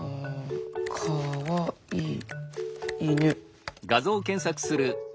「かわいい犬」。